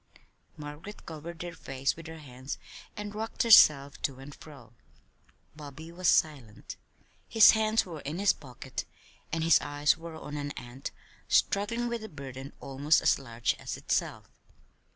Margaret covered her face with her hands and rocked herself to and fro. Bobby was silent. His hands were in his pocket, and his eyes were on an ant struggling with a burden almost as large as itself.